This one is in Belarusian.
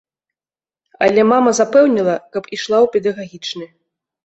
Але мама запэўніла, каб ішла ў педагагічны.